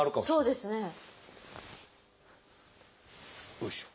そうですね。